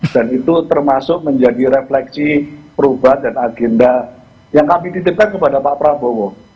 dan itu termasuk menjadi refleksi perubatan agenda yang kami titipkan kepada pak prabowo